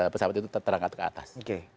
pesawat itu terterangkat ke atas